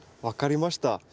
分かりました。